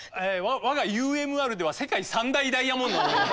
我がＵＭＲでは世界三大ダイヤモンド。